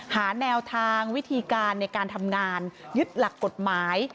หาแนวทางวิธีการในการทำงานยึดหลักกฎหมาย